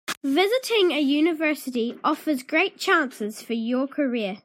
Visiting a university offers great chances for your career.